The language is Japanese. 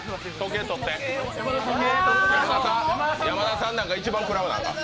山田さんなんか一番くらわなあかん。